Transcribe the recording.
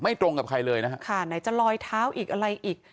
ตรงกับใครเลยนะฮะค่ะไหนจะลอยเท้าอีกอะไรอีก